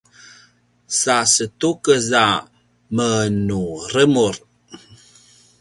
sa setukez a menuremur